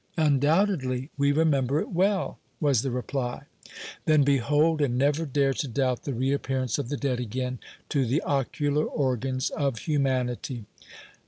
"Undoubtedly, we remember it well," was the reply. "Then behold, and never dare to doubt the reappearance of the dead again to the ocular organs of humanity."